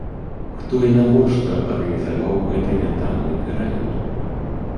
Хто і навошта арганізаваў гэты нятанны пералёт?